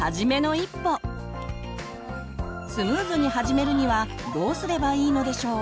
スムーズに始めるにはどうすればいいのでしょう？